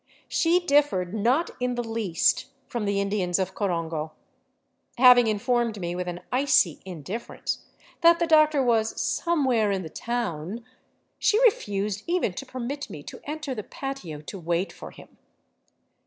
She differed not in the least from the Indians of Corongo. Having informed me with an icy indifference that the doctor was " somewhere in the town," she refused even to permit me to enter the patio to wait for him.